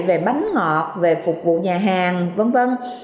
về bánh ngọt về phục vụ nhà hàng